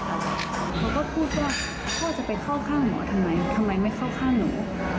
เขาก็พูดว่าพ่อจะไปเข้าข้างหมอทำไมทำไมไม่เข้าข้างหนู